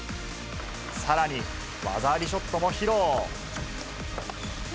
さらに技ありショットも披露。